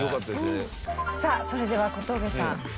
さあそれでは小峠さん。